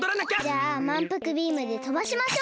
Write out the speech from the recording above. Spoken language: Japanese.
じゃあまんぷくビームでとばしましょう！